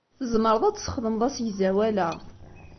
Tzemreḍ ad tesxedmeḍ asegzawal-a.